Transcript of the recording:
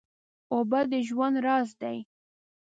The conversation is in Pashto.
اوبه د ژوند راز دی.